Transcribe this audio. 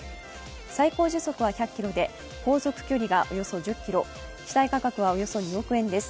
最高時速は１００キロで航続距離がおよそ１０ｋｍ機体価格は２億円です。